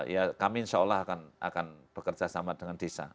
ya kami insya allah akan bekerja sama dengan desa